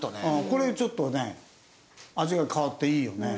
これちょっとね味が変わっていいよね。